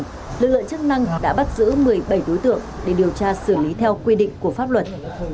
tuy nhiên lực lượng chức năng đã bắt giữ một mươi bảy đối tượng để điều tra xử lý theo quy định của pháp luật